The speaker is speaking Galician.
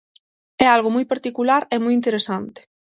É algo moi particular e moi interesante.